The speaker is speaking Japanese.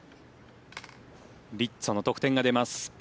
リッツォの得点が出ます。